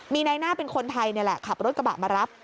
มีนายหน้าเป็นคนไทยนี่แหละขับรถกระบะมารับ